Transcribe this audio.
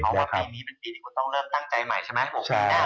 เพราะว่าปีนี้เป็นปีที่ต้องเริ่มตั้งใจใหม่ใช่ไหม